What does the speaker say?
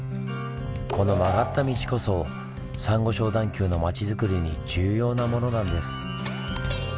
この曲がった道こそサンゴ礁段丘の町づくりに重要なものなんです。